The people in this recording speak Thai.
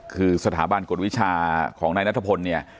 คือสถาบันกฎวิชาของนายนัทพลเนี่ย